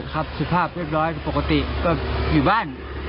สุภาพเรียบร้อยปกติก็อยู่บ้าน